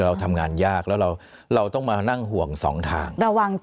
เราทำงานยากแล้วเราต้องมานั่งห่วงสองทาง